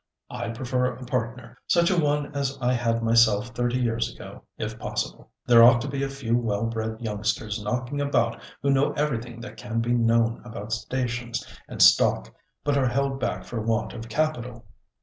I prefer a partner, such a one as I had myself thirty years ago if possible. There ought to be a few well bred youngsters knocking about who know everything that can be known about stations and stock but are held back for want of capital.